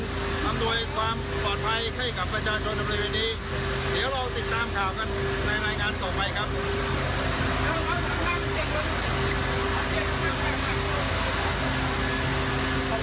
เสียกลง